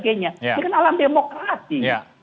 ini kan alam demokrasi